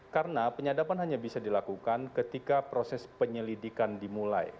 karena penyadapan hanya bisa dilakukan ketika proses penyelidikan dimulai